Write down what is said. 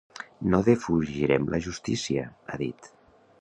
No defugirem la justícia, ha dit.